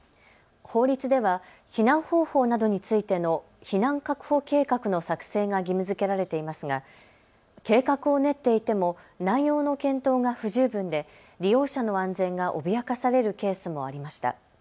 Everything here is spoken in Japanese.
法律では避難方法などについての避難確保計画の作成が義務づけられていますが計画を練っていても内容の検討が不十分で利用者の安全が脅かされるケースもありました。